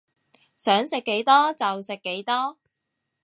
想食幾多就食幾多